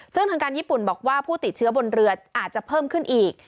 ซึ่งทางการญี่ปุ่นบอกว่าผู้ติดเชื้อบนเรืออาจจะเพิ่มขึ้นอีก